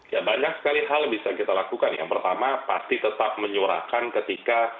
ya banyak sekali hal yang bisa kita lakukan yang pertama pasti tetap menyurahkan ketika